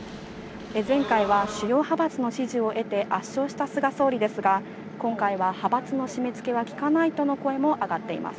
前回は主要派閥の支持を得て圧勝した菅総理ですが、今回は、派閥の締め付けはきかないとの声も上がっています。